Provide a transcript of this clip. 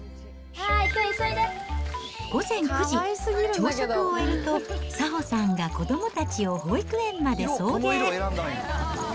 午前９時、朝食を終えると早穂さんが子どもたちを保育園まで送迎。